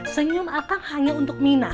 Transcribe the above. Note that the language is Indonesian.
senyum akang hanya untuk mina